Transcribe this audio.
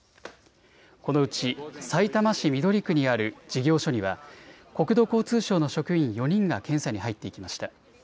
このうち、さいたま市緑区にある事業所には国土交通省の職員４人が検査に入っていきました。